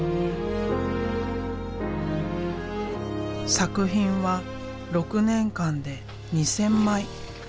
作品は６年間で２，０００枚。